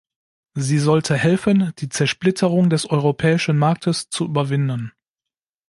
Sie sollte helfen, die Zersplitterung des europäischen Marktes zu überwinden.